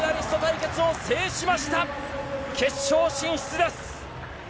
決勝進出です。